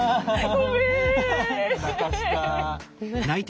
ごめん。